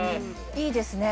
いいですね。